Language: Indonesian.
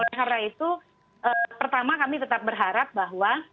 karena itu pertama kami tetap berharap bahwa